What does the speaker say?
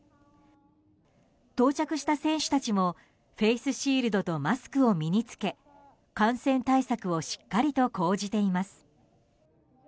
到着した選手たちもフェースシールドとマスクを身に着け感染対策をしっかりと講じています。